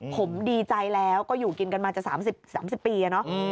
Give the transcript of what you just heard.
ผมดีใจแล้วก็อยู่กินกันมาจาก๓๐ปีน่ะเนอะ